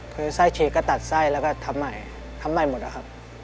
คือไส้ฉีกก็ตัดไส้แล้วก็ทำใหม่ทำใหม่หมดอะครับ